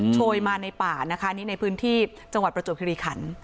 โชยมาในป่านะคะนี่ในพื้นที่จังหวัดประจวบคิริขัน